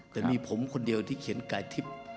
แต่มีผมคนเดียวที่เขียนกายทิพย์